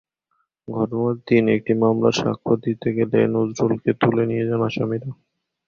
ঘটনার দিন একটি মামলার সাক্ষ্য দিতে গেলে নজরুলকে তুলে নিয়ে যান আসামিরা।